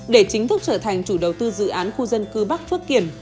để chính thức trở thành chủ đầu tư dự án khu dân cư bắc phước kiểm